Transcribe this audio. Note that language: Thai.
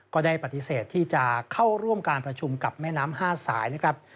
ก็ได้ปฏิเสธที่จะเข้าร่วมการประชุมกับแม่น้ำ๕สายนะครับ